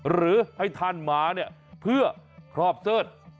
หรือให้ท่านมาเนี่ยเพื่อครอบเสิร์ธ